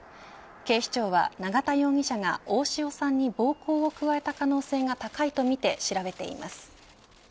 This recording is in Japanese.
警視庁は永田容疑者が大塩さんに暴行を加えた可能性が高いとみて調べています。